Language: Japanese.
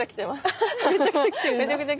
めちゃくちゃ来てます。